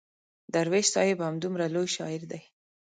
درویش صاحب همدومره لوی شاعر دی.